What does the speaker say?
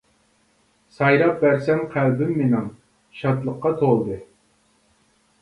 سايراپ بەرسە قەلبىم مېنىڭ، شادلىققا تولدى.